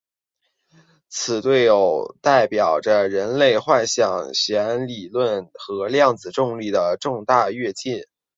此对偶代表着人类理解弦理论和量子重力的重大跃进。